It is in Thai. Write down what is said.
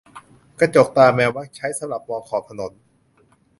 กระจกตาแมวมักใช้สำหรับมองขอบถนน